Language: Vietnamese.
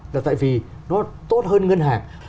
là tại vì nó tốt hơn ngân hàng